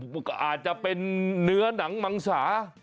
มันก็อาจจะเป็นเนื้อหนังมังสา